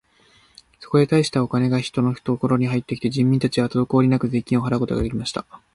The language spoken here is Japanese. そこで大したお金が人々のふところに入って、人民たちはとどこおりなく税金を払うことが出来ました。